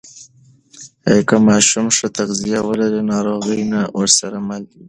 که ماشوم ښه تغذیه ولري، ناروغي نه ورسره مل شي.